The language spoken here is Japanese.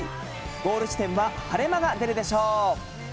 ゴール地点は晴れ間が出るでしょう。